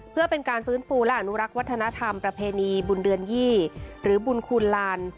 เพื่อเป็นการฟื้นฟูและอนุรักษ์วัฒนธรรมประเพณีบุญเดือนยี่หรือบุญคูณลาน